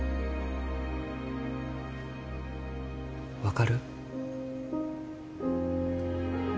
分かる？